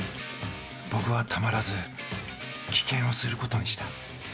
僕はたまらず棄権をすることにした。